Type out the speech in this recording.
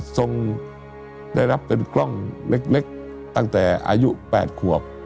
ทรงได้รับเป็นกล้องเล็กตั้งแต่อายุ๘ขวบ